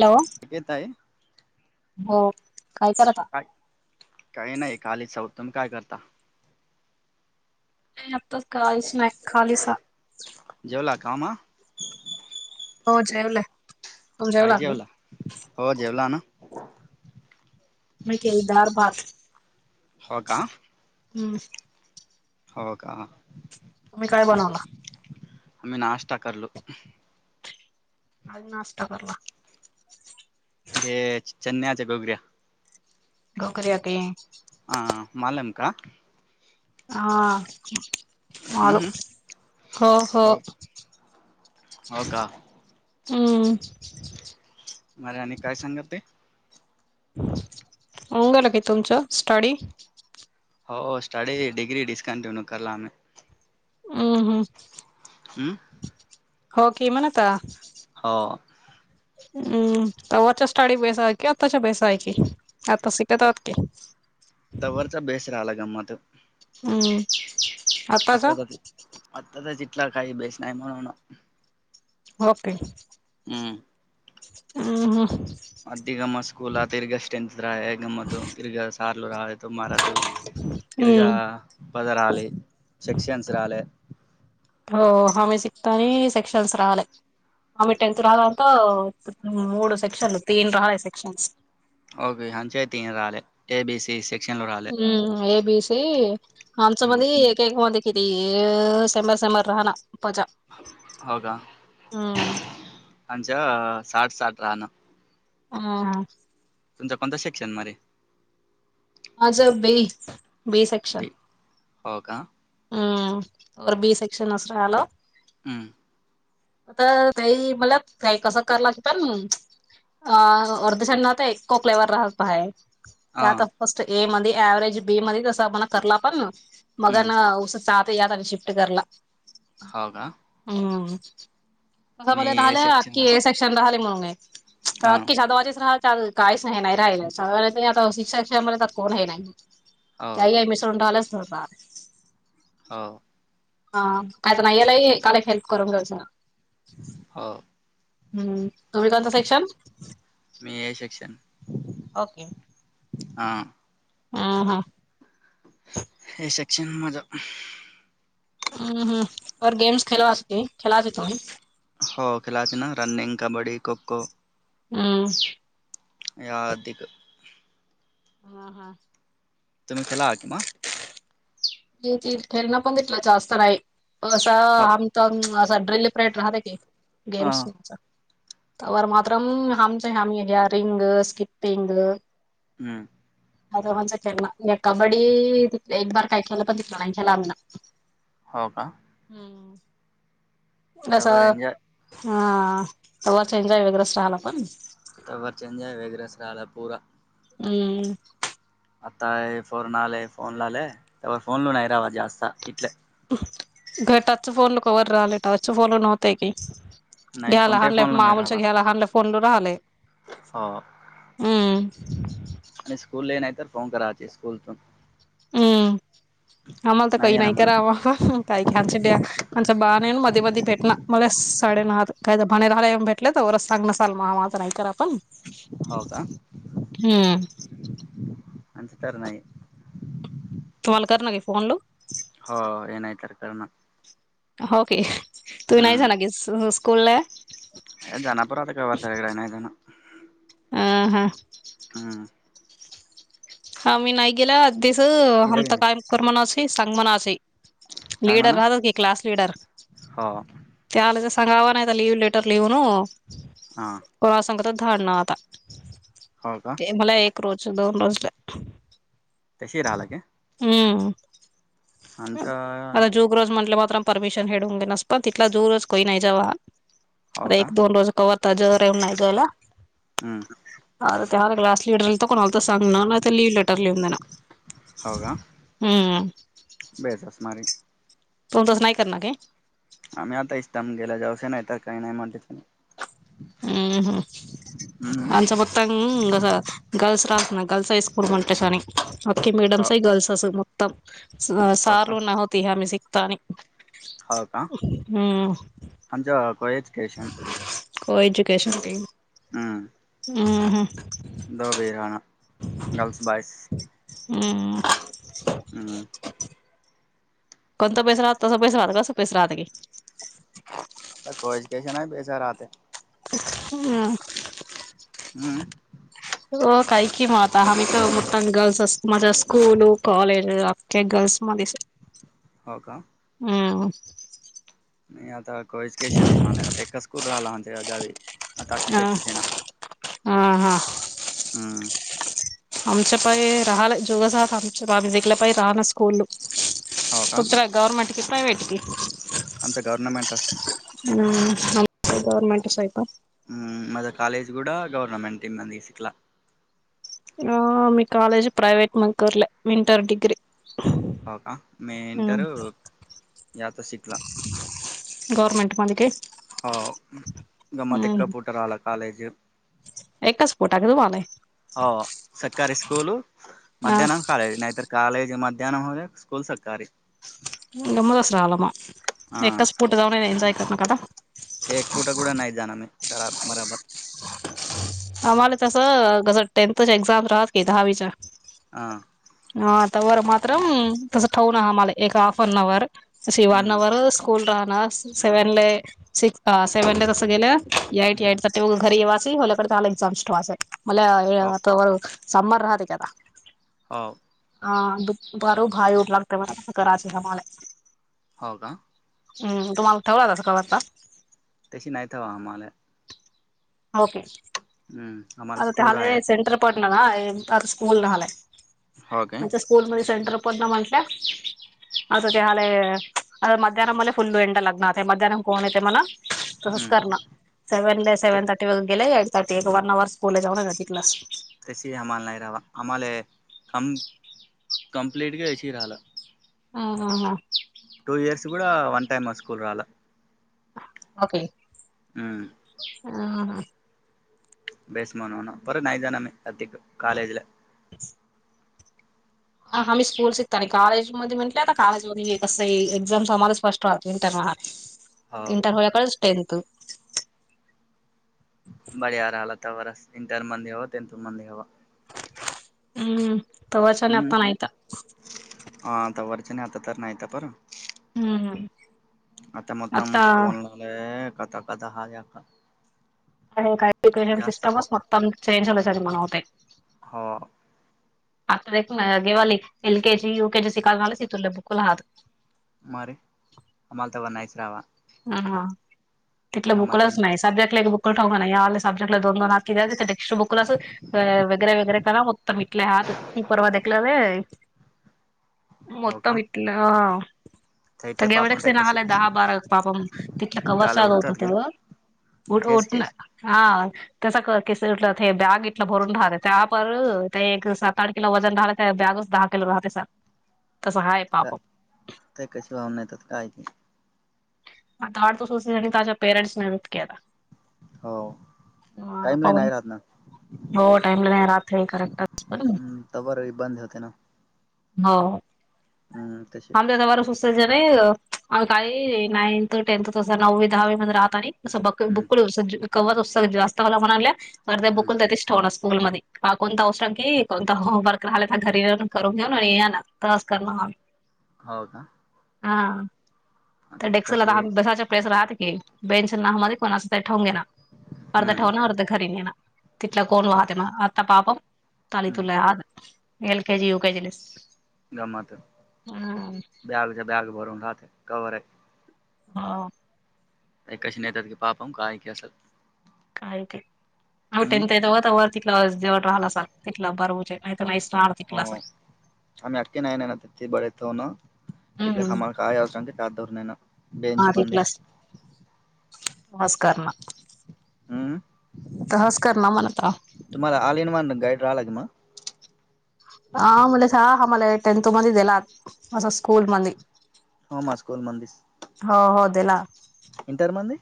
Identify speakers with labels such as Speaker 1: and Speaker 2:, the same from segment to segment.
Speaker 1: Hello
Speaker 2: येत आहे
Speaker 1: हो काय चालता.
Speaker 2: काही नाही खलीचहत तुम्ही काय करता
Speaker 1: नाही आता खच नाहीॅ खालीसा
Speaker 2: जेवला कामा
Speaker 1: हो जेवल.
Speaker 2: काय जेवला हो जेवला ना.
Speaker 1: म केलदार बाात.
Speaker 2: हो का.
Speaker 1: हम्म.
Speaker 2: हो का.
Speaker 1: तुम्ही काय बनवला?.
Speaker 2: आमही नाष्टा करलो.
Speaker 1: आज नाष्टा करला.
Speaker 2: घेच चेन्नच्या गोगऱ्या.
Speaker 1: घोकऱ्या ते.
Speaker 2: आ मालेम का.
Speaker 1: हा.
Speaker 2: हम्म
Speaker 1: मालो
Speaker 2: हम्म.
Speaker 1: हो हो.
Speaker 2: हो का
Speaker 1: हं.
Speaker 2: मर आणि काय सांगत ते.
Speaker 1: ंहोगल कि तुमचं स्टडी.
Speaker 2: हो स्टाडी डिग्री डिकंटिन्यू कला आमही.
Speaker 1: हम ह.
Speaker 2: हम.
Speaker 1: हो कि म्हणता.
Speaker 2: हो.
Speaker 1: हम् तवच्या स्टडी बेस कि आताच्या बेस आहेय की आता शिकत
Speaker 2: त
Speaker 1: आहात की.
Speaker 2: तवरचा बेस राहिला गमत.
Speaker 1: हम्
Speaker 2: आता तरच आता तरचितला काही बेस नाहीय म्हणून.
Speaker 1: ओके
Speaker 2: हम्म
Speaker 1: हम ह.
Speaker 2: मधदी गम स्कूल अतिर्ग अस टेनथ राय गमत तिर्ग सारल रा. तुमारत इिरग
Speaker 1: हम्म
Speaker 2: पगार आले सेक्षनस राले.
Speaker 1: हो ह म्ही शिकता आणि सेक्शनस राहिलेय. आम्मी टेनथ राह त मूड सेक्षन तीन रहहाय सेक्षन.
Speaker 2: ओके हंचे तीन रले ए बी सी.
Speaker 1: हम्म ए बी सी आमचं एक एक मध्ये. किती सेंबार सेंबार राहाहणार पजा.
Speaker 2: हो का अच्या साठ साठ राहणं.
Speaker 1: ह.
Speaker 2: तुम कोत सेशन मे.
Speaker 1: माजा बे बे
Speaker 2: बी
Speaker 1: सेक्शन.
Speaker 2: हो का.
Speaker 1: हम्म बी सक्शन अससर आलो.
Speaker 2: हम्म.
Speaker 1: आता तेई मला काही कसं कला क पण. अ अर्धश तर एकको फ्लेवर राहत बाहे.
Speaker 2: हा
Speaker 1: त्या आता फर्स्ट ए मध्ये एव्हरेज बी मध्ये तस मणा करला पण.
Speaker 2: हम्म,
Speaker 1: उसात या आणि शिफ्ट करला
Speaker 2: हो का
Speaker 1: हम म
Speaker 2: मी ए
Speaker 1: राहि
Speaker 2: सेक्शन
Speaker 1: अख्खी
Speaker 2: राहिलो
Speaker 1: ए सेक्शन राहिले म्हणून तर
Speaker 2: हा
Speaker 1: अक्खकी धवाजच राहा. काहीच नाही राहिलं आता शिक्षक शषमध्ये आता कोण हे नाही.
Speaker 2: हो
Speaker 1: त्याई मिसळून राहिलेच.
Speaker 2: हो
Speaker 1: हा काय तर नाही यालाही काला हेल्प करून घच ना
Speaker 2: हो
Speaker 1: हम्म तुम्ही कोणतं सेक्शन
Speaker 2: मी आ सेक्शन
Speaker 1: ओके
Speaker 2: हा
Speaker 1: हा हा
Speaker 2: एसेकशन माजत
Speaker 1: हम्म हम् और गेम्स खेळवा खेलाच तो
Speaker 2: हो खेलाच ना रनिंग कबड्डी खो खो
Speaker 1: हम
Speaker 2: या अधिक
Speaker 1: हा हा
Speaker 2: तुम्ही केला वाटतं
Speaker 1: त खेळना पण इला जास्ना आहे असं
Speaker 2: हो
Speaker 1: आमच असं ड्रिलिपरेट राहत की
Speaker 2: हा,
Speaker 1: गेम्स तवर मातम हम हम हिअ रिंग स्किप्टिंग
Speaker 2: हम्म
Speaker 1: अ णस केर्ना कबड्डी एक बार काही खलं पणच्या लाबला
Speaker 2: हो का
Speaker 1: हम्म कसं
Speaker 2: त्यावर एन्जॉय
Speaker 1: ह तला ंजय वगैरेच राहाला पण
Speaker 2: तवर चचेंजा वगैरेस रा आला पूरा
Speaker 1: हम्
Speaker 2: आता फोरन आले फोन ला आले त्या फोन ल नाही नाही रावा जास्त इटले
Speaker 1: का टच फोन ल कवरर रले टच फोन ल नवता क
Speaker 2: नाही
Speaker 1: घ्यायला
Speaker 2: कोणत्याही
Speaker 1: हलंय
Speaker 2: फोनला
Speaker 1: मामलच्या घ्यायला ह आणले फोनडू राहिलेय
Speaker 2: ह
Speaker 1: हम्
Speaker 2: आणि स्कूलला नाहीत तर फोन करायचे स्कूलतून
Speaker 1: हम्म आम्हाला तर काही
Speaker 2: आहे ना
Speaker 1: नाही
Speaker 2: म्हणा
Speaker 1: करावाग काय घचे द्या आमच्या बाने मध्ये मी भेटण म सडेनहात काय भाने राहाला भेटले तरच सांग न असल मग ह माझं नाही करा आपण
Speaker 2: हो का आणिच तर नाही
Speaker 1: तुम्हाला करणारी फोनो
Speaker 2: हो हे नाही तर कारण
Speaker 1: होके तु नाही जा न की स्कूल ला
Speaker 2: अ जनपुर आता का वारताडे नाही
Speaker 1: ह हा
Speaker 2: हम्
Speaker 1: हा मी नाही गेला आ दिस हमता
Speaker 2: जग
Speaker 1: कायम करर म्हणे सांग म्हण असे
Speaker 2: काय
Speaker 1: ललीडर
Speaker 2: म्हणा
Speaker 1: राहा त क क्लास ललीडर
Speaker 2: हो
Speaker 1: त्या आलं तर सांगावा नाही लिव्ह लेटर लिव्ह न
Speaker 2: हा
Speaker 1: कोणा सांगत धाडणं आता
Speaker 2: हो का
Speaker 1: ते मला एक रोज दोन रोज
Speaker 2: तशी राहिला का
Speaker 1: हम्म
Speaker 2: आमचं
Speaker 1: आता जुग रोज म्हटले मात्र परमिशन हेडू घे नस पण तिथला जुग रोज कोही नाही जावा
Speaker 2: हो
Speaker 1: अरे
Speaker 2: का
Speaker 1: एक दोन रोज कववरताज रा येऊन नाहीजवला
Speaker 2: हम
Speaker 1: आ ते क्ला लिडरल ता कोणालता सांग ना नाता ललीव्ह लेटर लिऊ देना
Speaker 2: हो का
Speaker 1: हम्म
Speaker 2: बेजस मारी
Speaker 1: तणण तसं नाही करणार का
Speaker 2: आम्ही आता इस्तामगेला जाऊश नाही तर काही नाही म्हट नाही
Speaker 1: हम् ह
Speaker 2: हम्म
Speaker 1: आचा प म गर्ल्स रासना गर्ल्स है स्कूड म्हणटे स आणि की
Speaker 2: हो
Speaker 1: मॅडमस गर्ल्सस मुक्दम
Speaker 2: हो का
Speaker 1: सारलो ना होती ह हमही सिखता नाही
Speaker 2: होा का अज कोज स्टेशन
Speaker 1: को एजुकेशन
Speaker 2: हम्म
Speaker 1: ह
Speaker 2: दो बरणा गर्ल्स बॉयस
Speaker 1: कोणता पैसा राहत तस पैसा राहता कस पैसा राहात की
Speaker 2: कोच कसे ना बेच राहते
Speaker 1: हम
Speaker 2: हम्म
Speaker 1: हो काही की माता आम्ही तर मुठ गर्ल्स असतो माझ्या स्कूल कॉलेज क गर्ल्स म दिस
Speaker 2: हो का
Speaker 1: हम्
Speaker 2: म आता को एजुकेशन आमला आता एका स्कूल रला म्हच अवी आता अक्की
Speaker 1: ह
Speaker 2: तेचे सना
Speaker 1: ह हा
Speaker 2: हम्
Speaker 1: अमचप राहले जोग शख आमविदिकल प राहणार स्कूल्
Speaker 2: हो का
Speaker 1: कुद्र गवर्नमेंट की प्रयवेट की
Speaker 2: आमचं गव्हर्नमेंटच
Speaker 1: हम गवर्मेंट साहप
Speaker 2: ह माझ्या कलेजी कड गवर्नमेंट इ मंद शिकला
Speaker 1: ह मी कलेजी प्रैवट मकूर्ले मिटर डिग्री
Speaker 2: हो का मी इटर याता शटला
Speaker 1: गवरनमेंट माध्ये का
Speaker 2: हो ग म तेका पोट रा कॉलेज
Speaker 1: एका स्पोर्टा कवाॉल आहे
Speaker 2: हो सरकारी स्कूल
Speaker 1: हा
Speaker 2: मध्यान कालेज नाहीतर कलेज मध्याह्म हो्या स्कूल सकाी
Speaker 1: गमद असरा आलामा एका स्पूट दव एजाय करणार कदा
Speaker 2: हे एक फोटा गुडं नाही जाणार मी सरा बराबर
Speaker 1: आम्हाला तसस टेंथच्या एक्झाम राहात की दहावीच्या
Speaker 2: हां
Speaker 1: हतावर मात्र तस ठेवूनमला एक हाफ एन आवर अशी वन
Speaker 2: हम्म
Speaker 1: अवर स्कूल राहणार सेव्हन सिक्स सेव्हन ला कसं गेलं याईट
Speaker 2: हम्म
Speaker 1: याईट तर तेग घरी येवाचंलल्याकडेंला एकक् जामस्ट्वास आहे मला
Speaker 2: हो
Speaker 1: अताळ समर राहते कता
Speaker 2: हो
Speaker 1: अ दुपर भई उठ लागते म कराची हमा
Speaker 2: हो का.
Speaker 1: हम् तुम्हाला ठेवलाच कळतला.
Speaker 2: तशी नाहीतवा आम्हाला
Speaker 1: के
Speaker 2: हम्म आम्हाला स्कूल आहे
Speaker 1: ह सेंटर पटणारला स्कूल ना.
Speaker 2: हो काय
Speaker 1: स्कूलमध्ये सेंटर पण न म्हटल्या. आता ते हले मध्याह्ह मला फुल्ल एंडा लग्न होत मध्यानन कोण येते मला.
Speaker 2: हम्म
Speaker 1: तमस्करण सेवन
Speaker 2: ते
Speaker 1: सेवन. गेले एक टी एक वन आवर स्कूल जाऊ क्लास.
Speaker 2: तशी आम्हाला नाही रावा आम्हाला कम कंप्लीट ग ए राहिलं.
Speaker 1: ह हा हां.
Speaker 2: टू इयर्स कड वन टाईम स्कूल रला.
Speaker 1: ओके.
Speaker 2: हम्म.
Speaker 1: ह हा.
Speaker 2: बस म्हनण आपरा नैदाानमे अतिक कालेजला.
Speaker 1: [unintelligible] हा हम्ही स्कूल शिकताना कॉलेज मध्ये म्हटले आता कॉज मध्ये कस एक्झाम आम्हाला स्पष्ट. इंटर म
Speaker 2: हो
Speaker 1: इंटर होल्याकडेच टेनथ.
Speaker 2: बड्या हर हलात हवर रस इंटर मंदी हवा टनथ मंदी हवा.
Speaker 1: हम्म तवासन
Speaker 2: हम्म
Speaker 1: असताान आयता.
Speaker 2: हा आता वरचने आता तर नाहीता पर. [unintelligible] आता मता फोन लालाय कथ कथ हा का.
Speaker 1: हे काय एज्युकेशन
Speaker 2: फो
Speaker 1: सिस्टमच मक्त चेंजल्यायच मणा होते.
Speaker 2: हो.
Speaker 1: आता गेवाली L K G U K G शिका झालाच तुर बुकला हहात.
Speaker 2: मर आम्हाला तवरर न नाहीच रावा.
Speaker 1: हा हा तलं
Speaker 2: आहे.
Speaker 1: मोकळच नाही. सबजेट एक बुक ठव नाही या सजक्ट दो हकी टक्स्ट बुक्ला असं. अ वगैरे वगरे करा. मिटले हात परवा देखला र
Speaker 2: हो
Speaker 1: मत.
Speaker 2: का
Speaker 1: हा
Speaker 2: त्या
Speaker 1: तर
Speaker 2: इथल्या
Speaker 1: ग
Speaker 2: पापून
Speaker 1: एवढ्याच
Speaker 2: त्या
Speaker 1: ना
Speaker 2: कशी
Speaker 1: हलाय दहा बारा. [unintelligible] स
Speaker 2: त्याला उडतात गे तेच गे
Speaker 1: ते बॅग इंला बरंड आहे त्यापर. ते एक सात आठ किलो वजन राहलं तर बॅगच दहा किलो राहते तसं आहे.
Speaker 2: का ते कशी भाव नाहीेतात कायजी.
Speaker 1: आड तू सोच ताज्या पेरेट् मपता.
Speaker 2: हो टाइमला
Speaker 1: पवन
Speaker 2: नाही राहत ना.
Speaker 1: हो टाइम नाही राहत. [unintelligible]
Speaker 2: तवर बंद होते ना
Speaker 1: हो
Speaker 2: तसे
Speaker 1: लं बरं सुस्यच नाही काही. नाइन थ टेंथ तसं नववी दहावी मध्ये राहत नाही तसं बक्कळ ब बुकड कव्हर जास्त म्हणाल्या तर ते बुक च देतीस. थोड स्कूल मध्ये आ कोणता औषर की कोणत होमवर्क राहिला तर घरी येऊ करून घेऊन आणि येणार. टास्क करणार
Speaker 2: हो का
Speaker 1: हां. त्या
Speaker 2: आता
Speaker 1: डेक्स ला
Speaker 2: कसे
Speaker 1: बेसायच्या पेस राहात की बेंच ना म कोणास तर ठावून घे ना. अर्ध ठेवण अर्ध घरी नेणार तिथला कोण वाहते
Speaker 2: हम्म
Speaker 1: मग आता पाप. ताली तुला या एल केेजी यु केेजी लस.
Speaker 2: गमात बॅगच्या बॅग भरून राहात कवर आहे.
Speaker 1: हा.
Speaker 2: एक कच नताी पापम काय की असल.
Speaker 1: काय टे त तिथलं जवळ राहिला अस सर तिथलं बरबूज नाही नाहीच राणार तिथलं असल
Speaker 2: आणि अटके नाही नाही ना ते बरे तो ना.
Speaker 1: हम्म
Speaker 2: [unintelligible]
Speaker 1: नमस्कार ना
Speaker 2: उम्म.
Speaker 1: तसंच करणार म्हणता.
Speaker 2: तुम्हाला आलीन मन गाड राहिला कि म
Speaker 1: आ म्हलासा हामला टेंथ मध्ये दिला असं स्कूल मधी.
Speaker 2: हो माजकोल मंदिस.
Speaker 1: हो हो देला.
Speaker 2: इंटर मंदे.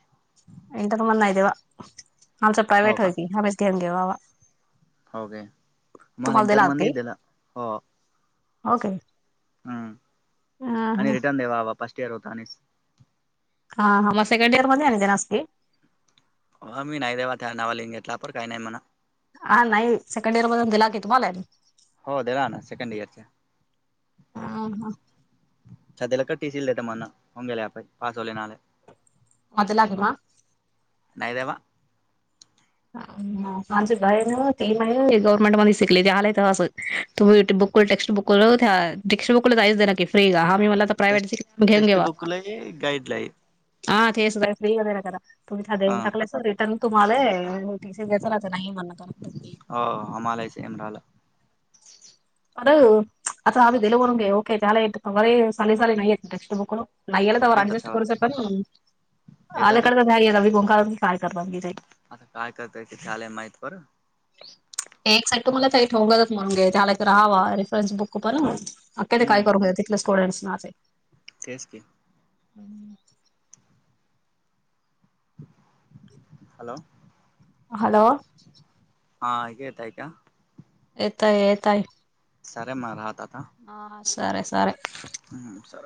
Speaker 1: इंटर्यू मण नाही देवा आमच
Speaker 2: हो
Speaker 1: प्रायव्हेट होय की आम्हीच घेऊन घेवावा.
Speaker 2: होगे मला इंटर मंदी दिला हो.
Speaker 1: ओके.
Speaker 2: हम्म
Speaker 1: हा
Speaker 2: आणि
Speaker 1: हा
Speaker 2: रिटर्न देवावा फस्ट इयर होता आणिस.
Speaker 1: हां हां म सेकंड इयर मध्ये आणि देणास की.
Speaker 2: हो मी नाही देवा त्या नावा लिंग घेतला पर काही नाही म्हणा.
Speaker 1: हां नाही सेकंड इयर मधून दिला की तुम्हाला?
Speaker 2: हो देणार ना सेकंड इयरच्या.
Speaker 1: हा हा
Speaker 2: सदेला का टी सील देत म्हण उंगल्या अपय पास होले नाले
Speaker 1: मदलागमा
Speaker 2: नाही देेवा.
Speaker 1: माझंय ते गव्हर्नमेंट मध्ये शिकले ते आलाय त असं. तुम् युट्यबुक टेक्सट बुक त्या टेक्स्ट बुकला जायच दे ना की फ्री ग हामी मला
Speaker 2: टेस्ट
Speaker 1: प्रायवेटशी घेऊन
Speaker 2: टेक्स्ट
Speaker 1: घेवा.
Speaker 2: बुकला गाईडला आहे
Speaker 1: हां तेच फ्री वगैरे क तुम्ही देऊन
Speaker 2: हां
Speaker 1: टाकलाय स रिटर्न तुम्हाला नाही म्हण करा
Speaker 2: हो हाम्हालाय सेम राहील.
Speaker 1: पर आता आम्ही दिलवरून घे ओके त्यालागरे साली साली नाही येत टेक्स्ट बुक नाहीयला तवर
Speaker 2: येतात
Speaker 1: ऍडजस्ट
Speaker 2: हवा
Speaker 1: करूच आपण.
Speaker 2: येतात
Speaker 1: आल्याकडता नाही कोंकार काय करगी
Speaker 2: आता काय करताय ते झाले माहीत पर
Speaker 1: एक सा तुम्हाला तही ठेवंगतच म्हणून घे त्याला तर रहावा रेफरन्स बुक पण. अखर ते काय करू घ देत तिले स्टुडंसना
Speaker 2: तेच की
Speaker 1: हम्म
Speaker 2: हॅलो
Speaker 1: हॅलो.
Speaker 2: हां येतय का?
Speaker 1: येतय येतय.
Speaker 2: सरे म राहताथ
Speaker 1: हा सर सर
Speaker 2: सर